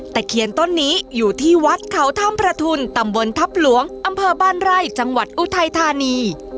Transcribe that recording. ตะเคียนต้นนี้อยู่ที่วัดเขาถ้ำประทุนตำบลทัพหลวงอำเภอบ้านไร่จังหวัดอุทัยธานี